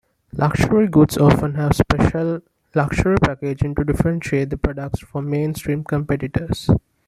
Luxury goods often have special Luxury packaging to differentiate the products from mainstream competitors.